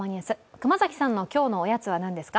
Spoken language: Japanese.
熊崎さんの今日のおやつは何ですか